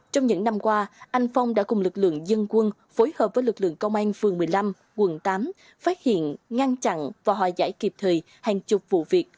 trong những năm qua anh phong đã cùng lực lượng dân quân phối hợp với lực lượng công an phường một mươi năm quận tám phát hiện ngăn chặn và hòa giải kịp thời hàng chục vụ việc